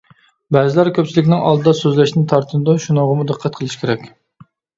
بەزىلەر كۆپچىلىكنىڭ ئالدىدا سۆزلەشتىن تارتىنىدۇ، شۇنىڭغىمۇ دىققەت قىلىش كېرەك.